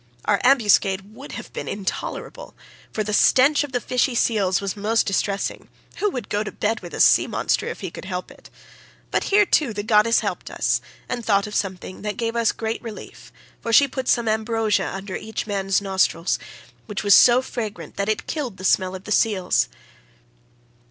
Our ambuscade would have been intolerable, for the stench of the fishy seals was most distressing45—who would go to bed with a sea monster if he could help it?—but here, too, the goddess helped us, and thought of something that gave us great relief, for she put some ambrosia under each man's nostrils, which was so fragrant that it killed the smell of the seals.